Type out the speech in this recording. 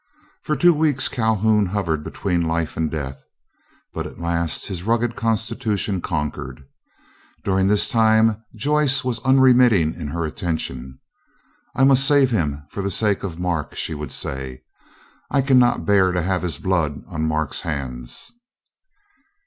For two weeks Calhoun hovered between life and death; but at last his rugged constitution conquered. During this time Joyce was unremitting in her attention. "I must save him for the sake of Mark," she would say, "I cannot bear to have his blood on Mark's hands."